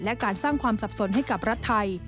และการสร้างความสับสนให้กับรัฐไทย